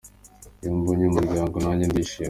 Iyo mbonye umuryango nanjye ndishima.